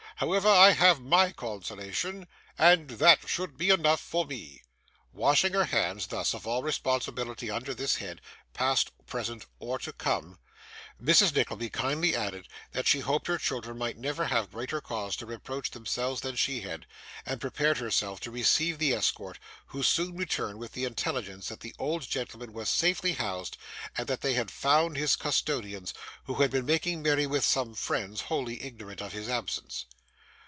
However, I have MY consolation, and that should be enough for me!' Washing her hands, thus, of all responsibility under this head, past, present, or to come, Mrs. Nickleby kindly added that she hoped her children might never have greater cause to reproach themselves than she had, and prepared herself to receive the escort, who soon returned with the intelligence that the old gentleman was safely housed, and that they found his custodians, who had been making merry with some friends, wholly ignorant of his absence.